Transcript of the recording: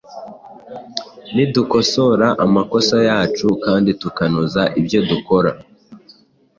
Nidukosora amakosa yacu kandi tukanoza ibyo dukora.